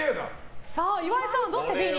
岩井さんはどうしてＢに？